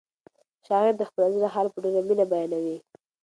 شاعر د خپل زړه حال په ډېره مینه بیانوي.